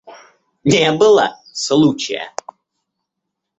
Не было случая.